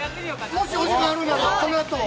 ◆もしお時間あるならこのあと。